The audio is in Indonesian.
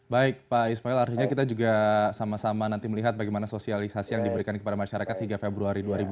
baik pak ismail artinya kita juga sama sama nanti melihat bagaimana sosialisasi yang diberikan kepada masyarakat hingga februari dua ribu dua puluh